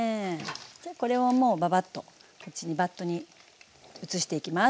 じゃあこれをもうババッとこっちにバットに移していきます。